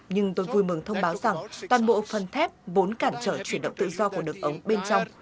nhưng tôi vui mừng thông báo rằng toàn bộ phân thép bốn cản trở chuyển động tự do của nước ống bên trong